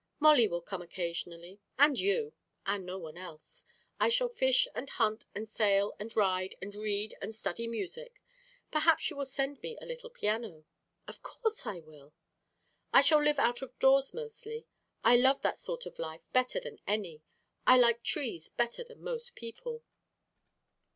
"Molly will come occasionally, and you, no one else. I shall fish and hunt and sail and ride and read and study music. Perhaps you will send me a little piano?" "Of course I will." "I shall live out of doors mostly. I love that sort of life better than any; I like trees better than most people."